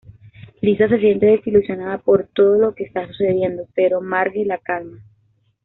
Lisa se siente desilusionada por todo lo que está sucediendo, pero Marge la calma.